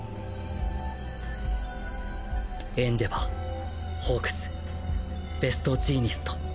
エンデヴァーホークスベストジーニスト